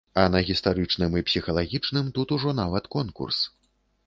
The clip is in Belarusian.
А на гістарычным і псіхалагічным тут ужо нават конкурс.